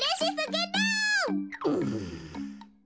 うん。